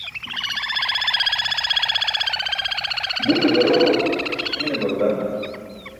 Bute daroġo hine balda.